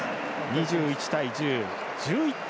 ２１対１０１１点